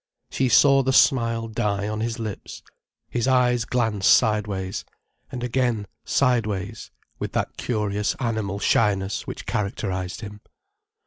She saw the smile die on his lips, his eyes glance sideways, and again sideways, with that curious animal shyness which characterized him.